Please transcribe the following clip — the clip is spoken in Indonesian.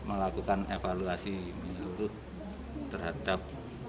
melakukan evaluasi menyeluruh terhadap